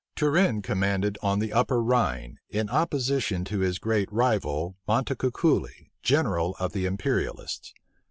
Turenne commanded on the Upper Rhine, in opposition to his great rival, Montecuculi, general of the imperialists.